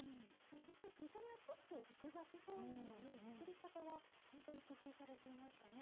ほんとに見た目はちょっと複雑そうなのに作り方はほんとに工夫されていましたね。